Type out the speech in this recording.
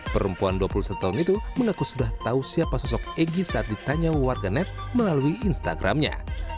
perempuan dua puluh satu tahun itu mengaku sudah tahu siapa sosok egy saat ditanya warganet melalui instagramnya